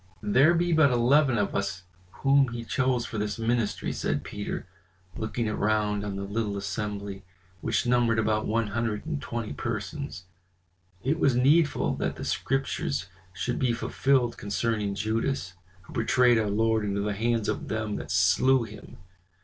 "There be but eleven of us whom He chose for this ministry," said Peter, looking around on the little assembly, which numbered about one hundred and twenty persons. "It was needful that the Scriptures should be fulfilled concerning Judas, who betrayed our Lord into the hands of them that slew him.